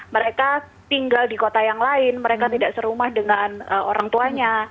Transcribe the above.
mereka tinggal di kota yang lain mereka tidak serumah dengan orang tuanya